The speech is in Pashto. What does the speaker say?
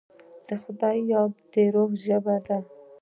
د خدای یاد، د روح ژبه ده.